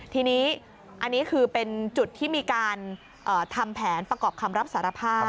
ทีนี้อันนี้คือเป็นจุดที่มีการทำแผนประกอบคำรับสารภาพ